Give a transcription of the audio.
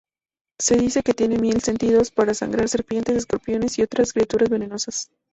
Se dice que tiene mil sentidos, para sangrar serpientes, escorpiones, y otras criaturas venenosas.